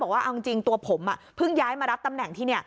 ว่าเอาจริงตัวผมเพิ่งย้ายมารับตำแหน่งที่นี่